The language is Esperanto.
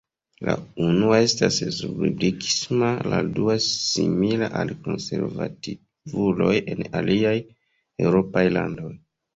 La unua estas respublikisma, la dua simila al konservativuloj en aliaj eŭropaj landoj.